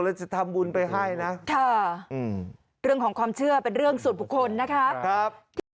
แล้วจะทำบุญไปให้นะเรื่องของความเชื่อเป็นเรื่องส่วนบุคคลนะคะ